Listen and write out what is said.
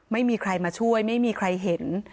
ไม่มีใครมาช่วยไม่มีใครเห็น